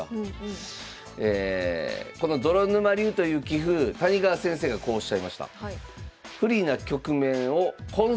この泥沼流という棋風谷川先生がこうおっしゃいました。